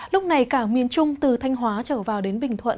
lúc này cả miền trung từ thanh hóa trở vào đến bình thuận